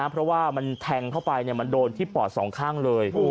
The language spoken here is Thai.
เพราะว่ามันแทงเข้าไปมันโดนที่ปอดสองข้างเลย